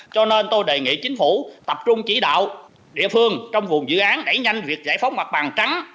cho nên tôi đề nghị chính phủ tập trung chỉ đạo địa phương trong vùng dự án đẩy nhanh việc giải phóng mặt bằng trắng